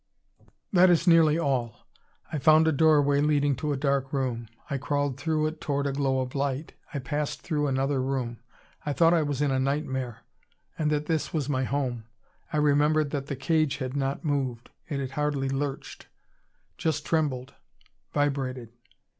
"That is nearly all. I found a doorway leading to a dark room. I crawled through it toward a glow of light. I passed through another room. I thought I was in a nightmare, and that this was my home. I remembered that the cage had not moved. It had hardly lurched. Just trembled; vibrated.